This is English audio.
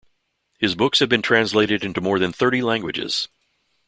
His books have been translated into more than thirty languages.